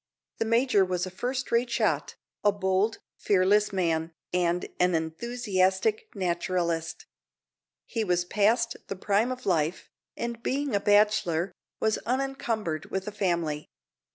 The major was a first rate shot, a bold, fearless man, and an enthusiastic naturalist. He was past the prime of life, and being a bachelor, was unencumbered with a family.